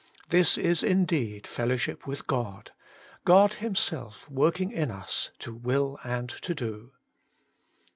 This is indeed fellowship with Working for God 59 God: God Himself working in us to will and to do.